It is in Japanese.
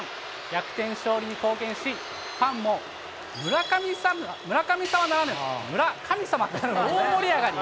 逆転勝利に貢献し、ファンも村上様ならぬ、村神様で大盛り上がり。